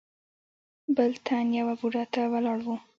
بل تن يوه بوډا ته ولاړ و.